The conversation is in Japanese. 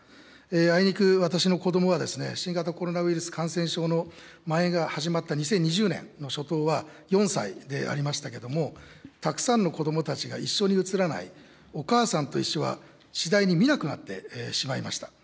あいにく私の子どもは、新型コロナウイルス感染症のまん延が始まった２０２０年の初頭は４歳でありましたけども、たくさんの子どもたちが一緒に映らない、おかあさんといっしょは次第に見なくなってしまいました。